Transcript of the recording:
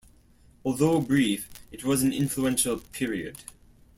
Although brief, it was an influential period.